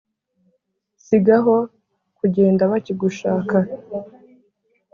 sigaho kugenda bakigushaka